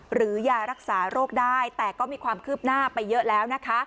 ยารักษาโรคได้แต่ก็มีความคืบหน้าไปเยอะแล้วนะคะ